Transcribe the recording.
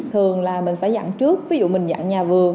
thường là mình phải dặn trước ví dụ mình dặn nhà vườn